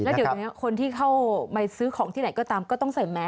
เดี๋ยวแปลงคือคนที่เข้าไปซื้อของที่ไหนก็ตามก็ต้องใส่แมท